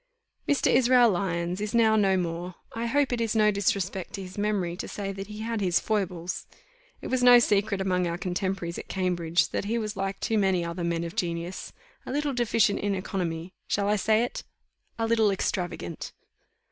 Mr. Israel Lyons is now no more. I hope it is no disrespect to his memory to say that he had his foibles. It was no secret among our contemporaries at Cambridge that he was like too many other men of genius, a little deficient in economy shall I say it? a little extravagant.